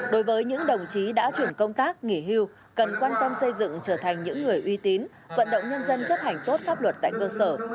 đối với những đồng chí đã chuyển công tác nghỉ hưu cần quan tâm xây dựng trở thành những người uy tín vận động nhân dân chấp hành tốt pháp luật tại cơ sở